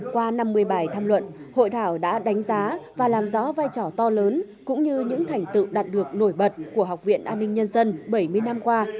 qua năm mươi bài tham luận hội thảo đã đánh giá và làm rõ vai trò to lớn cũng như những thành tựu đạt được nổi bật của học viện an ninh nhân dân bảy mươi năm qua